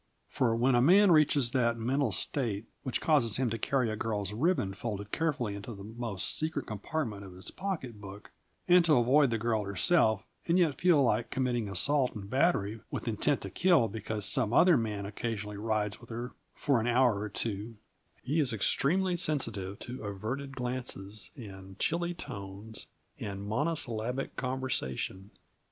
For when a man reaches that mental state which causes him to carry a girl's ribbon folded carefully into the most secret compartment of his pocketbook, and to avoid the girl herself and yet feel like committing assault and battery with intent to kill, because some other man occasionally rides with her for an hour or two, he is extremely sensitive to averted glances and chilly tones and monosyllabic conversation.